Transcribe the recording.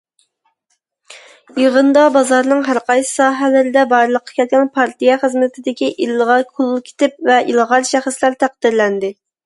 يىغىندا بازارنىڭ ھەرقايسى ساھەلىرىدە بارلىققا كەلگەن پارتىيە خىزمىتىدىكى ئىلغا كوللېكتىپ ۋە ئىلغار شەخسلەر تەقدىرلەندى.